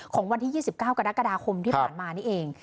วันที่๒๙กรกฎาคมที่ผ่านมานี่เอง